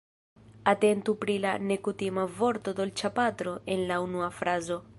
Atentu pri la nekutima vorto dolĉapatro en la unua frazo.